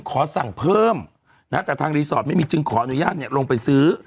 ขอสั่งเพิ่มนะแต่ทางรีสอร์ทไม่มีจึงขออนุญาตเนี่ยลงไปซื้อ